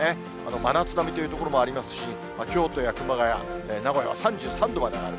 真夏並みという所もありますし、京都や熊谷、名古屋は３３度まで上がる。